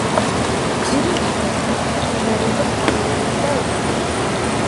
ძირითადად მღეროდა პოლონურად და რუსულად.